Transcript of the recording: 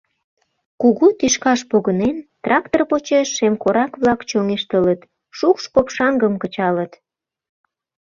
Кугу тӱшкаш погынен, трактор почеш шемкорак-влак чоҥештылыт, шукш-копшаҥгым кычалыт.